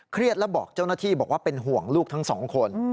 และบอกเจ้าหน้าที่บอกว่าเป็นห่วงลูกทั้งสองคน